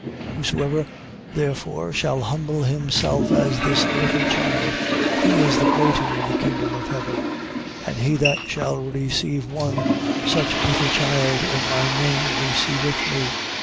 18:4. Whosoever therefore shall humble himself as this little child, he is the greater in the kingdom of heaven. 18:5. And he that shall receive one such little child in my name, receiveth me.